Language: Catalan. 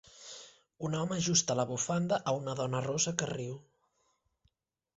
Un home ajusta la bufanda a una dona rossa que riu